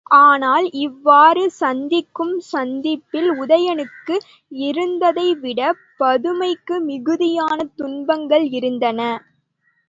ஆனால் இவ்வாறு சந்திக்கும் சந்திப்பில் உதயணனுக்கு இருந்ததைவிடப் பதுமைக்கு மிகுதியான துன்பங்கள் இருந்தன.